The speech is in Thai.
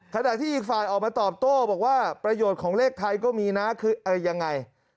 ขณะที่อีกฝ่ายออกมาตอบโต้บอกว่าประโยชน์ของเลขไทยก็มีนะคืออะไรยังไง